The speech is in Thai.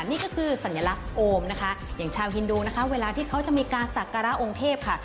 นี่ก็คือสัญลักษณ์โอมนะคะอย่างชาวฮินดูนะคะเวลาที่เขาจะมีการสักการะองค์เทพค่ะ